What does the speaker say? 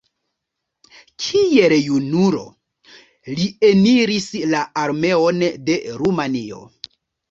Kiel junulo li eniris la armeon de Rumanio.